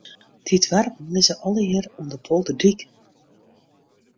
Dy doarpen lizze allegear oan de polderdyk.